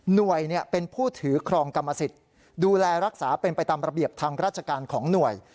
หน่วยเป็นผู้ถือครองกรรมสิทธิ์ดูแลรักษาเป็นไปตามระเบียบทางราชการของหน่วย